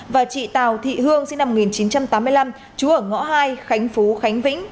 và chị tào thị hương sinh năm một nghìn chín trăm tám mươi năm chú ở ngõ hai khánh phú khánh vĩnh